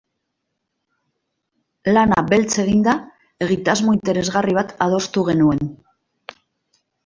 Lana beltz eginda, egitasmo interesgarri bat adostu genuen.